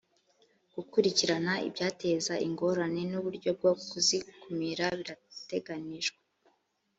gukurikirana ibyateza ingorane n’ uburyo bwo kuzikumira birateganijwe